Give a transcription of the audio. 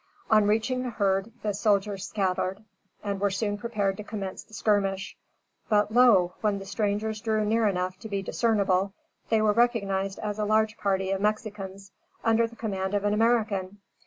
On reaching the herd, the soldiers scattered, and were soon prepared to commence the skirmish; but, lo! when the strangers drew near enough to be discernible, they were recognized as a large party of Mexicans, under the command of an American.